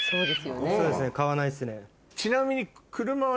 そうですね買わないっすね。